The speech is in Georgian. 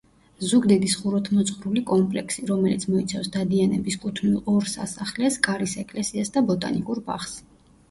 ზუგდიდის ხუროთმოძღვრული კომპლექსი, რომელიც მოიცავს დადიანების კუთვნილ ორ სასახლეს, კარის ეკლესიას და ბოტანიკურ ბაღს.